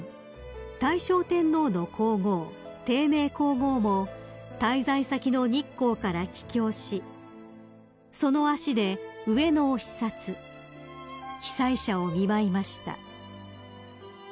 ［大正天皇の皇后貞明皇后も滞在先の日光から帰京しその足で上野を視察被災者を見舞いました］